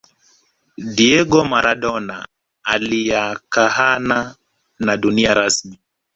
Diego Maladona aliacahana na dunia rasmi